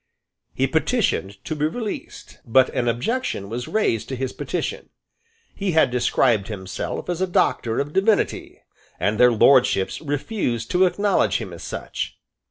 He petitioned to be released; but an objection was raised to his petition. He had described himself as a Doctor of Divinity; and their lordships refused to acknowledge him as such.